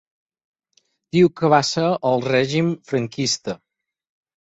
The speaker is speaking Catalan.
Diu que va ser el règim franquista.